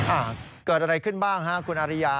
อ่าเกิดอะไรขึ้นบ้างฮะคุณอาริยา